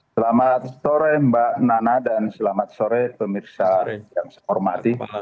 selamat sore mbak nana dan selamat sore pemirsa yang saya hormati